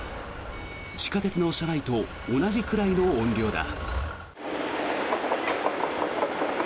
地下鉄の車内と同じくらいの音量だ。